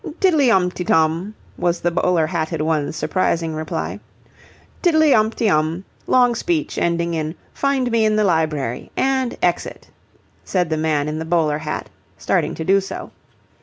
"Tiddly omty om," was the bowler hatted one's surprising reply. "Tiddly omty om... long speech ending in 'find me in the library.' And exit," said the man in the bowler hat, starting to do so.